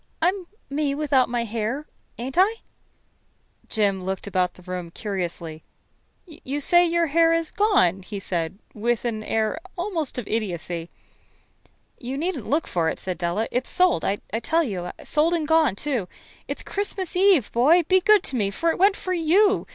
I'm me without my hair, ain't I?" Jim looked about the room curiously. "You say your hair is gone?" he said, with an air almost of idiocy. "You needn't look for it," said Della. "It's sold, I tell you sold and gone, too. It's Christmas Eve, boy. Be good to me, for it went for you.